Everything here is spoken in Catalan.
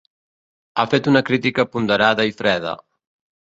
Ha fet una crítica ponderada i freda.